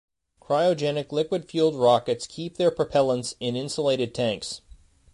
Cryogenic-liquid-fueled rockets keep their propellants in insulated tanks.